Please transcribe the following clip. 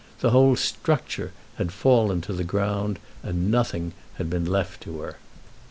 The whole structure had fallen to the ground, and nothing had been left to her.